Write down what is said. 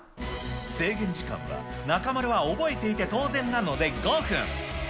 制限時間は、中丸は覚えていて当然なので５分。